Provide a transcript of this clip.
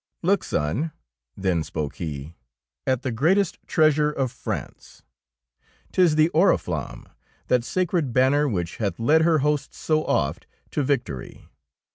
3 33 DEEDS OF DAKING Look, son,'^ then spoke he, at the greatest treasure of France. 'Tis the Oriflamme, that sacred banner which hath led her hosts so oft to victory.